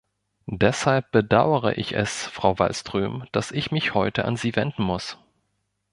Deshalb bedaure ich es, Frau Wallström, dass ich mich heute an Sie wenden muss.